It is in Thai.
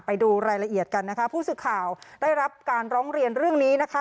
ไปดูรายละเอียดกันนะคะผู้สื่อข่าวได้รับการร้องเรียนเรื่องนี้นะคะ